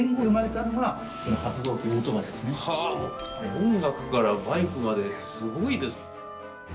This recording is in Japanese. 音楽からバイクまですごいです。